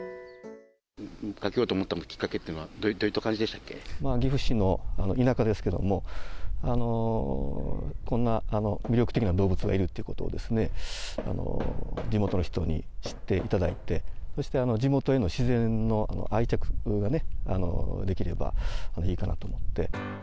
かけようと思ったきっかけというのはどういった感じでしたっ岐阜市の田舎ですけども、こんな魅力的な動物がいるっていうことを地元の人に知っていただいて、そして、地元への自然への愛着がね、出来ればいいかなと思って。